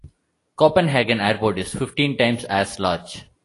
Copenhagen Airport is fifteen times as large.